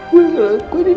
gue ngelakuin ini semua